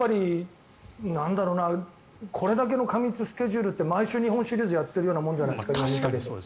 これだけの過密スケジュールって毎週日本シリーズをやっているみたいなものじゃないですか。